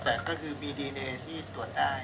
แต่ก็คือมีดีเนย์ที่ตรวจได้